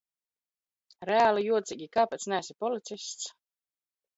Reāli jocīgi, kāpēc neesi policists?